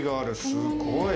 すごい。